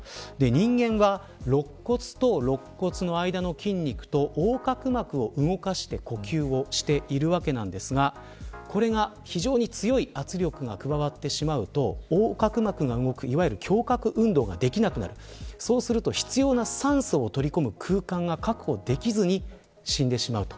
人間は肋骨と肋骨の間の筋肉と横隔膜を動かして呼吸をしているわけですがこれが非常に強い圧力が加わると横隔膜が動く、いわゆる胸郭運動ができなくなりそうすると必要な酸素を取り込む空間が確保できず死んでしまう。